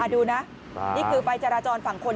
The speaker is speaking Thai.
ดูนะนี่คือไฟจราจรฝั่งคน